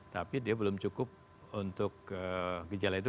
tapi dia belum cukup untuk gejala itu